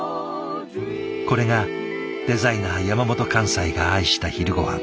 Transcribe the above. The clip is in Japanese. これがデザイナー山本寛斎が愛した昼ごはん。